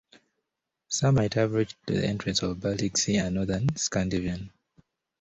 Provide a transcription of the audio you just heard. Some might have reached to entrance of Baltic Sea and northern Scandinavian.